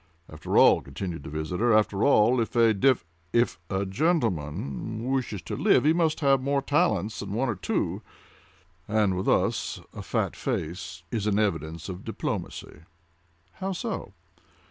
"After all," continued the visitor, "after all, if a dev—if a gentleman wishes to live, he must have more talents than one or two; and with us a fat face is an evidence of diplomacy." "How so?"